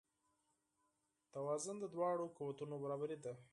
توازن د دواړو قوتونو برابري ده.